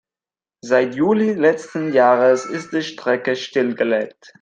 Seit Juli letzten Jahres ist die Strecke stillgelegt.